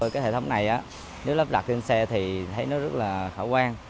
cái hệ thống này nếu lắp đặt trên xe thì thấy nó rất là khả quan